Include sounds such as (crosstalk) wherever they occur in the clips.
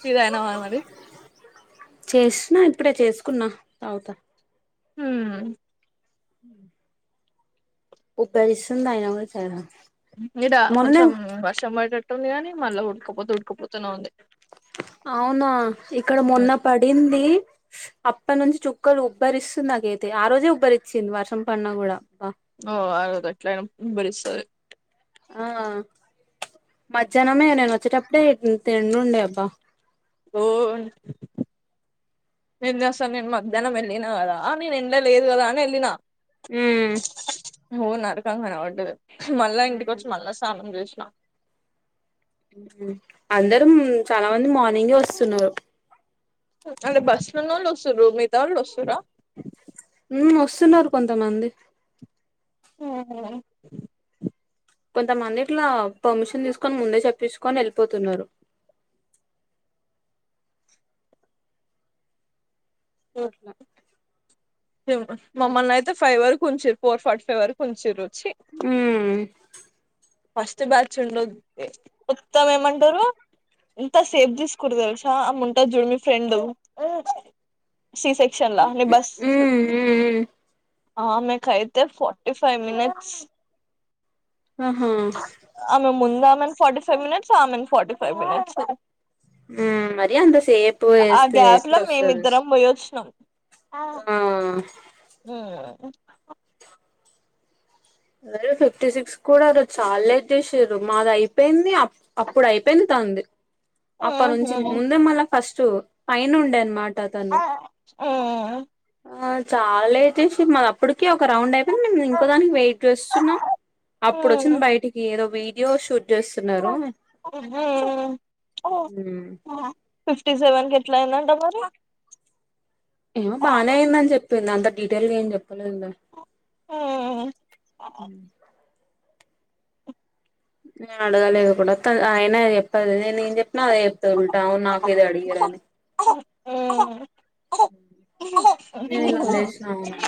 Tea తాగినావా మరి చేసిన ఇప్పుడే చేసుకున్నా తగుతా హ్మ్ హ ఉబ్బరిస్తుంది అయినా సరే చాయ్ తాగుతా ఈడ కొంచెం వర్షం పడేటట్టుంది గానీ మళ్ళా ఉడకపోతే ఉడకపోతూనే ఉంది అవునా ఇక్కడ మొన్న పడింది అప్పటి నుంచి చుక్కలు ఉబ్బరిస్తుంది నాకైతే ఆ రోజే ఉబ్బరిచ్చింది వర్షం పడినా కూడా ఓ అ గట్లనే ఉబ్బరిస్తది ఆ మధ్యాహ్నమే నేను వచ్చేటప్పుడే ఇంత ఎండుండే అబ్బా ఓ వెళ్ళిన సార్ నేను మధ్యాహ్నం వెళ్ళిన కదా నేను ఎండ లేదు కదా అని ఎళ్ళినా ఊ కన పడ్డదు మళ్ళా ఇంటికి వచ్చి మళ్ళా స్నానం చేసినా అందరం చాలా మంది మార్నింగే వస్తున్నారు అంటే బస్సులున్నోళ్లు వస్సుర్రు మిగతా వాళ్ళు వస్తుండ్రా ఊ వొస్తున్నారు కొంతమంది ఊహూ కొంతమంది ఇట్లా పర్మిషన్ తీసుకొని ముందే చెప్పించుకొని వెళ్ళిపోతున్నారు. (unintelligible) అట్లా మమ్మలిని అయితే ఫైవ్ వర ఉంచిరు ఫోర్ ఫాటి వరకు ఉంచిరు, ఊ ఫస్ట్ బ్యాచ్ ఉండొద్ది మొత్తం ఏమంటారు ఇంత సేప్ తీసుకున్నారు తెలుసా ఆమె ఉంటాది చుడు మీ ఫ్రెండ్ సి సెక్షన్ లా మిబస్ ఉమ్ ఉమ్ మ కైతే ఫోర్టీ ఫైవ్ మినిట్స్ ఆహా రమణి ఫోర్టీ ఫైవ్ మినిట్స్ ఆమెని ఫోర్టీ ఫైవ్ మినిట్స్ మరీ అంతసేపు ఆ వేస్తే గ్యాప్ లో ఎట్లా మేము వస్తది ఇద్దరం పోయొచ్చినాం ఆ ఉ అ ఫిఫ్టీ సిక్స్ కూడా ఆరోజు చాలా లేట్ చేసిరు మాది అయిపోయింది అప్పుడు అయిపోయింది, తా తంది అప్పనుంచి ముందే మళ్ళా ఫస్ట్ పైన ఉండే అనమాట తను ఆ ఆ చాలా లేట్ చేసారుమా అప్పటికె ఒక రౌండ్ అయిపోయింది మేము ఇంకో దానికి చుస్తున్నాం అప్పుడు వచ్చింది బయటికి ఏదో వీడియో షూట్ చేస్తున్నారు (unintelligible) ఫిఫ్టీ సెవెన్ కి ఎట్లా అయిందంట మరి ఏమో బానే అయిందని చెప్పింది అంత డీటెయిల్గా ఏం చెప్ప తెలువదు లే నేను అడగలేదు ఒకటి వాతంది అయినా అది చెప్పదు కాదే చెప్పిన అదే చెప్పుతంటావు నాకు ఏది అడిగరని నేను మరి వదిలేసినను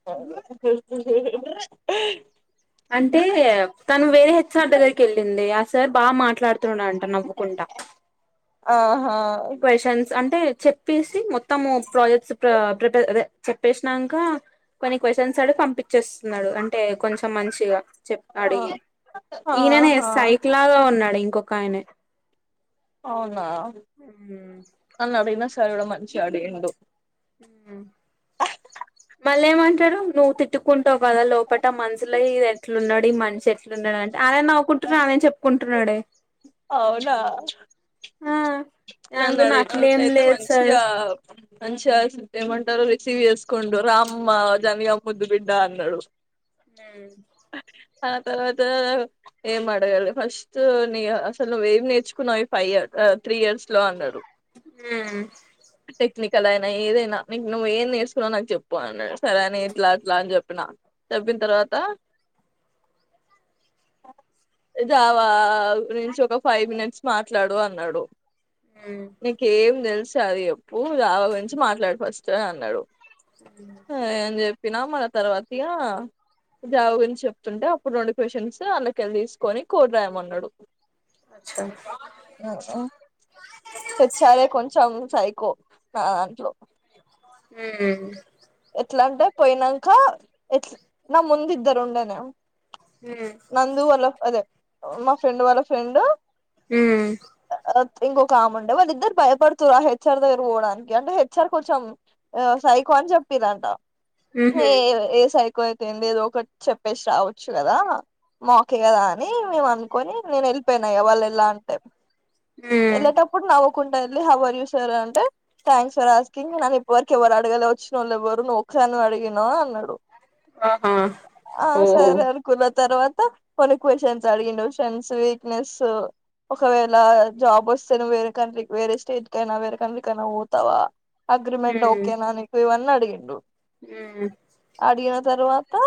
(unintelligible) అంటే తను వేరే హెచ్ఆర్ దగ్గరికి వెళ్ళింది సార్ బాగా మాట్లాడుతున్నాంట నవ్వుకుంటా ఆహా క్వ్చన్స్ అంట అంటే చెప్పేసి మొత్తము ప్రాజెక్ట్స్ ప్రిపేర్ చెప్పేసినాక కొన్ని క్వశ్చన్స్ ఆడి గి పంపించేస్తున్నాడు అంటే కొంచెం మంచిగా చెప్ అడిగి ఈయననే ఆహా సైక్లాగా ఉన్నాడు ఇంకొక ఆయనే అవునా ఉమ్ నాను అడిన సార్ కూడా మంచిగా అడిగిండు మళ్ళ ఏమంటారు నువ్వు తిట్టుకుంటావు కదా లోప లోపట మనుసుల ఈయన ఎట్లన్నాడు ఈ మనిషి ఎట్లు ఉన్నాడు అంటే ఆయనే నవ్వుకుంటున్నాడు అయనే చెప్పుకుంటున్నాడే, అవునా ఆ నన్ను అనుకున్న అడిగినోడు అట్లేం అయితే లేదు సార్ మంచిగా మంచిగా ఏమంటారు రసీవ్ చేస్కుండు రామ్మ జనగం ముద్దు బిడ్డ అన్నాడు ఊ ఆ తర్వాత ఏం అడగాలే ఫస్ట్ నీ అసలు నువ్వు ఏం నేర్చుకున్నావ్ ఈ ఫైవ్ ఇయర్ త్రీ ఇయర్స్ లో అన్నాడు హు నీకు అదయినా ఏదైనా నీకు నువ్వు ఏది నేర్చుకున్నా నాకు చెప్పు అన్నాడు సరే అని ఎట్లా అట్లా అని చెప్పిన, చేపిన తరువాత ఈ జాబ్ ఆ నుంచి ఒక ఫైవ్ మినిట్స్ మాట్లాడు అన్నాడు, మ్మ్ నీకేం తెలుస్తే అది చెప్పు జావా గురించి మాట్లాడు ఫస్ట్ అనన్నాడు. నేన్ చెప్పినా మళ్ళా తర్వాతిగ జావ గురించి చెప్తుంటే అప్పుడు రెండు క్వశన్స్ అన్నకేళ్ళి తీసుకొని కోడ్ రాయమన్నాడు. అట్ట హెచ్చారే కొంచెం సైకో నా దాంట్లో మ్మ్ ఎట్లంటే పోయినంక ఎట్ నా ముందిద్దరు ఉండేనే మ్మ్ నందు వాళ్ళక్కదే మా ఫ్రెండ్ వాళ్ళ ఫ్రెండ్ మ్ ఇంకొక ఆముండే వాళ్ళ ఇద్దరు భయపడుతురు ఆ హెచ్ఆర్ దగ్గర పోవడానికి అంటే హెచ్ఆర్ కొంచం ఆ సైకో అని చెప్పిరంట మ్హు హేయ్ ఏ సైకో అయితేంది ఏదోకటి చెప్పేసి రావచ్చు కదా మాకే కదా అని మేము అనుకొని నేను వెళ్ళిపోయినా ఇగ వాళ్ళు ఎల్లా అంటే మ్మ్ ఎళ్ళేటప్పుడు నవ్వుకుంటా వెళ్లి (unintelligible) చూసారాంటే థ్యాంక్స్ ఫర్ ఆస్కింగ్ నన్నిప్పటివరకు ఎవ్వరడగలే వచ్చినోళ్లేవ్వరు నువ్ ఒక్క దానివే అడిినావ్ అన్నాడు. ఆహా ఆ ఓహో సరే అనుకున్నా తర్వాత కొన్ని క్వషన్స్ అడినవ్ ఇండోషన్స్ వీక్నెస్ ఒకవేళ జాబ్ వస్తే నువ్ వేరే కంట్రీ వేరే స్టేట్కైనా వేరే కంట్రీ కైనా పోతావా అగ్రిమెంట్ మ్మ్ ఓకేనా నీకీవన్నీ అడిగిండు మ్మ్ అడిగిన తర్వా తా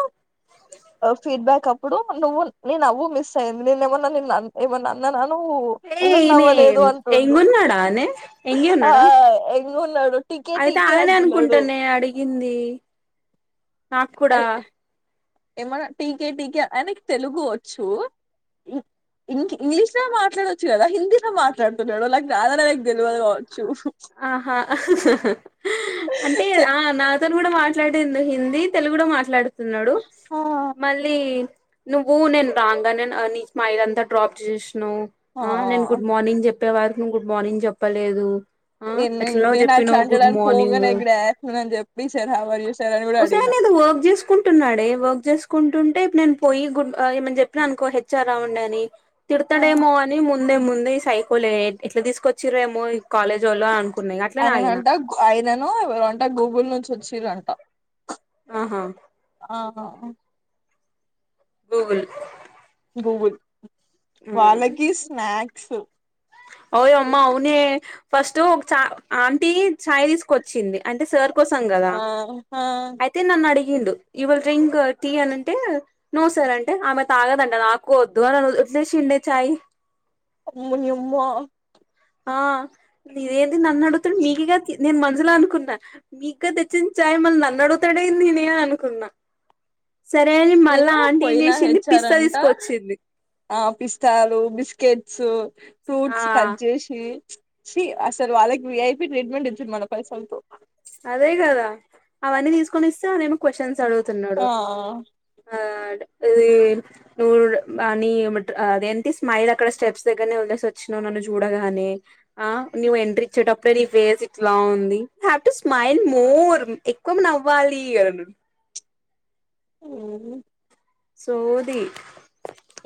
ఫీడ్బ్యాక్ అప్పుడు నువ్వు నీ నవ్వు మిస్సయ్యింది నేనేమన్నా నిన్ను అన్ ఏమన్నా. అన్ న్నాను. ఏ ఎందుకు ఈనే నవ్వలేదు అంటుండు. ఎంగున్నాడానే ఎంగే ఆ ఉన్నాడా ఉన్నాడు. అయితే అడనే అనుకుంటానే అడిగింది నాక్కూడా అరే ఏమన్నా టీకే టీకే అయనకి తెలుగు వచ్చు. ఇంక ఇంగ్లీష్ లో మాట్లాడొచ్చు కదా హిందీలో మాట్లాడుతున్నాడు లైక్ దద లైక్ తెల్వద్ ఆహా! అంటే స ఆ నాక్ అతను కూడా మాట్లాడింది హిందీ తెలుగు కూడా మాట్లాడుతున్నాడు ఆ మళ్ళీ నువ్వు నేన్ రాంగనే నేన్ (unintelligible) డ్రాప్ చేస్న ఆ నేను గుడ్ మార్నింగ్ చెప్పే వరుకు గుడ్ మార్నింగ్ చెప్పలేదు. ఆ నేన్ ఎట్లనో నేను చెప్పినవ్ గుడ్ అట్లంటడని మార్నింగ్ పోగానే గూడాఫ్టర్ నూన్ అని చెప్పి sir how are you sir అని కూడా ఒసేయ్ అడిగిన ఆయన వర్క్ చేసుకుంటున్నాడే వర్క్ చేసు కుంటుంటే ఇప్పుడు నేను పోయి గుడ్గా ఏమన్న చెప్పిన అనుకో హెచ్ఆర్ రా ఉండేని ఆ తిడతడేమో అని ముందు ముందే ముందు ఈ సైకోలే ఎట్లా తీసుకొచ్చిరేమో ఈ కాలేజోళ్ళు అన్ ఆయన నంట ఆయనను ఎవరంట గూగుల్ నుంచొచ్చిరంట ఆహా! ఆహా! గూగుల్ గూగుల్ వాళ్ళకి స్నాక్స్ ఓ యమ్మ అవునే ఫస్ట్ ఒక చా ఆంటీ చాయ్ తీసుకొచ్చింది. అంటే సార్ కోసం కదా ఆ ఆ అయితే నన్నడిగి ండు యు విల్ డ్రింక్ టీ అని అంటే నువ్వు సార్ అంటే ఆమె తాగదంట నాకు వద్దు అనన్ ఇసీరేషిండే చాయ్ అమ్మునియమ్మో ఆ నేదేంది నన్నడుగుతుండు నీకిగాతి నేన్ మన్సులో అనుకున్నా, మీకుగా తెచ్చిన చాయ్ మల్ నన్నడుగుతాడేంది నే అనుకున్నా. సరే అని నేను మళ్ళా ఆంటీ ఏం పోయినా చేసింది పిస్తా హెచ్చారంట. తీసుకొచ్చింది ఆ పిస్తాలు, బిస్కెట్స్, ఆ ఫ్రూట్స్ కట్ జెసి. చి అసలు వాళ్ళకి వీఐపీ ట్రీట్మెంట్ ఇచ్చిర్రు మన పైసల్తో. అదే కదా అవన్నీ తీసుకొని ఇస్తే మరేమో క్వశ్చన్స్ అడుగు. తున్నాడు ఆ ఆడు. ఇది నువ్వు (unintelligible) ని అదేంటి స్మైల్, అక్కడ స్టెప్స్ దగ్గరనే వదిలేసి వచ్చినానినే. చూడగానే ఆ న్యూ ఎంట్రీ ఇచ్చేటప్పుడే నీ ఫేస్ ఇట్లా ఉంది. హ్యా టు స్మైల్ మోర్ ఎక్కువ నవ్వాలి అని అన్నాడు. ఆ సోది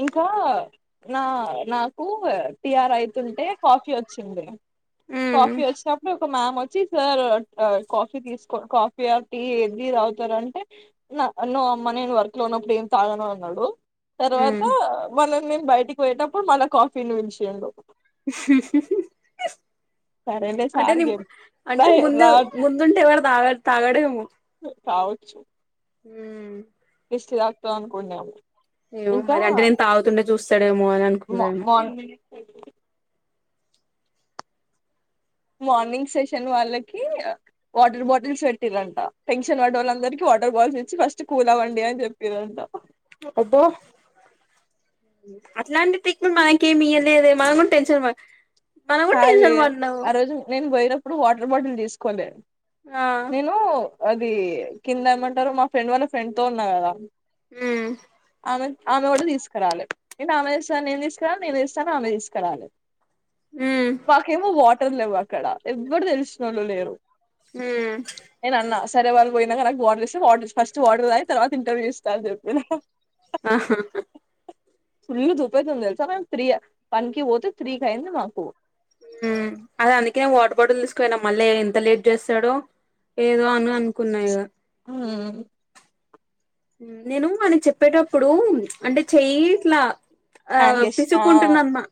ఇంకా నా, నాకు టిఆర్ అయితుంటే కాఫీ వచ్చింది. మ్మ్ కాఫీ వచ్చినప్పుడు ఒక మ్యామ్ వచ్చి సార్ కాఫీ, తీసుకో కాఫీ ఆర్ టీ ఏది తాగుతారంటే. నో అమ్మ నేను వర్క్ లో ఉన్నప్పుడు ఏం తాగను అన్నాడు తర్వా. అ నేను బయటికి పోయేటప్పుడు మల్ల కాఫీని పిలిసిండు. సరేలే (inaudible) అంటే సార్ ని కి అంటే ముందు, నా ముందుంటే ఎవాడ తాగ తాగడేమో? కావచ్చు మ్మ ఇస్లాక్టివ్ అనుకుణ్యం ఏమో మరి అంటే నేను తాగుతుండే చూస్. మ మ. (unintelligible) మార్నింగ్ సెషన్ వాళ్ళకి వాటర్ బాటిల్స్ పెట్టిరంట. టెన్షన్ పడ వాళ్ళందరికి వా, వాటర్ బాల్స్ ఇచ్చి ఫస్ట్ కూల్ అవ్వండి అని చెప్పిరంట. అబ్బో అట్లాంటి ట్రిక్లు, మనకేమియలేదే మనం కూడా టెన్షన్. మనం కూడా కాదే టెన్షన్ పడినాము ఆ రోజు నేను పోయిన ఇప్పుడు వాటర్ బాటిల్ తీసుకోలే ఆ నేను. అది కింద ఏమంటారు మా ఫ్రెండ్ వాళ్ళ ఫ్రెండ్ తో ఉన్నా కదా. మ్మ్ ఆమె ఆమె కూడా తీసుకరాలె, నేను ఆమె తెస్తదని నేను తీసుకురావాలే, నేను తెస్తానని ఆమె తీసుకరాలే. ఉమ్ మాకేమో వాటర్ లేవు అక్కడ ఎవ్వడు తెలిసినోళ్ళు లేరు. ఉమ్ నేనన్న సరే వాళ్లు. పోయినాక వాటర్ ఇస్తే (unintelligible) ఫస్ట్ వాటర్ తాగి తర్వాత ఇంటర్వ్యూ ఇస్త అని చెప్పినా. ఆ హా హా ఫుల్లు ధూపయితుంది తెల్సా మేం త్రీ, వన్ కి పోతే త్రీకి అయ్యింది మాకు. (unintelligible) అదే అందుకే వాటర్ బాటిల్ తీసుకపోయిన మళ్ళీ ఎంత లేట్ చేస్తాడో. ఏదో అని అనుకున్నాయి ఇగ. మ్మ్ నేను ఆయనకి చెప్పేటప్పుడు అంటే చెయ్యి ఇట్లా. ఆ యాంగేష్ ఆ పిసుకుంటున్నామ్మా,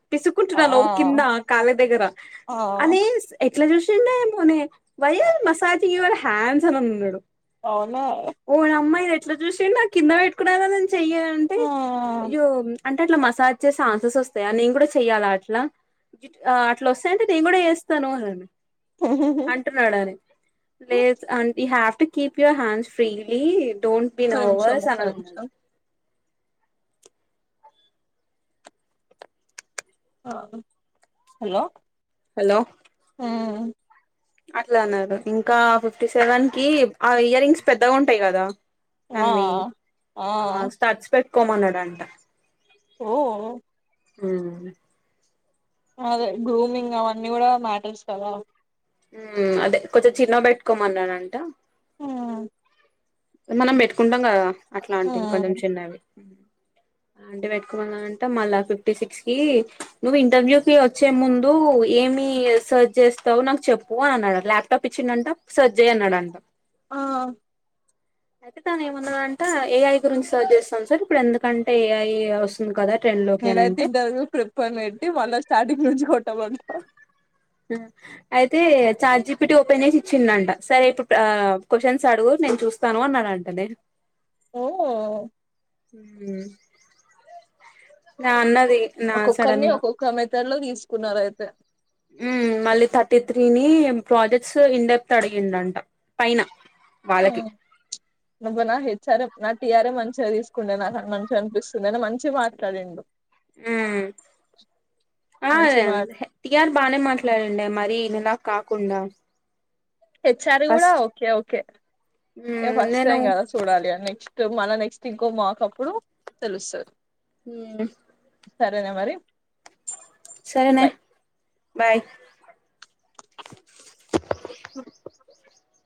ఆ పిసుకుంటున్నా లో కింద కాళ్ల దగ్గర ఆ అని. ఎట్లా చూసిండో ఏమోనే why are you massage your hands అని అన్నాడు. అవునా ఇట్లా చూసి నా కింద పెట్టుకున్నను నేను చెయ్యా అంటే ఆ అయ్యో అంటే అట్లా మసాజ్ చే ఛాన్సెస్ వస్తాయా నేను కూడా చెయ్యాలా అట్లా అట్లా వస్తాయంటే నేను కూడా చేస్తాను అని అంటున్నాడానే లేజ్ అంటే have to keep your hands freely don't be ఒక్క నిమిషం నోవర్స్ ఒక్క అన్ నిమిషం ఆ హలో హలో ఉమ్ అట్లా అన్నారు ఇంకా ఫిఫ్టీ సెవెన్ కి ఆ ఇయర్ రింగ్స్ పెద్దగా ఉంటాయి కదా ఆ దనివి ఆ స్టట్స్ పెట్టుకోమన్నాడంట ఓ ఉమ్ అదే గ్రూమింగ్ అవన్నీ కూడా మ్యాటర్స్ కదా ఉమ్ అదే కొంచెం చిన్న పెట్టుకోమన్నానంట ఉమ్ మనం పెట్టుకుంటాం కదా అట్లాంటివి కొంచెం మ్మ్. చిన్నవి (inaudible) అంటే పెట్కోళంట మళ్ళా ఫిఫ్టీ సిక్స్ కి నువ్వు ఇంటర్వ్యూ కి వచ్చే ముందు ఏమి సెర్చ్ చేస్తావు నాకు చెప్పు అనీ అన్నాడు అంట ల్యాప్టాప్ ఇచ్చిండంట సెర్చ్ చేయ అన్నాడంట ఆ అయితే తాను ఏమున్నా అంటే ఏఐ గురించి సర్చ్ చేస్తాను సార్ ఇప్పుడు ఎందుకంటే ఏఐ వస్తుంది కదా ట్రెండ్ లోకి అని నేనైతే అంటే ఇంటర్వ్యూ ప్రిపర్న్ పెట్టి మళ్ళా స్టార్టింగ్ నుంచి కొట్టమంటా అయితే చార్జిపీటీ ఓపెన్ చేసి ఇచ్చిండంట సరే ఇప్పుడు క్వశ్చన్స్ అడుగు నేను ప్పుడు చూస్తాను అన్నాడు అంటనే ఓ ఉమ్ నాన్న ఒక్కొక్కరిని ఒక్కొక్క మెథడ్లో తీసుకున్నారు అయితే ఉమ్ మళ్ళీ థర్టీ త్రీని ప్రాజెక్ట్స్ ఇన్డేప్త్ అడిగిందంట పైన హ వాళ్ళకి నుబ నా హెచ్చార నా టీఆర్ఏ మంచిగా తీసుకుంటే నాకు మంచిగా అనిపిస్తుంది అని మంచిగా మాట్లాడిండు ఉమ్ ఆ మంచి అదే మా టిఆర్ బానే మాట్లాడిందే మరి నలా కాకుండా హెచ్ఆర్ కూడా ఫస్ట్ ఓకే ఓకే ఇగ మ్మ్ ఫస్ట్ నేను టైం కదా చూడాలి నెక్స్ట్ మళ నెక్స్ట్ ఇంకో మాకు అప్పుడు తెలుస్తది ఉమ్ సరేనే మరి సరేనే బాయ్ బాయ్